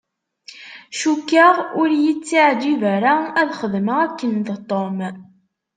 Cukkeɣ ur y-ittiεǧib ara ad xedmeɣ akken d Tom.